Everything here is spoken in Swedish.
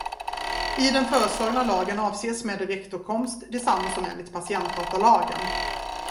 I den föreslagna lagen avses med direktåtkomst detsamma som enligt patientdatalagen.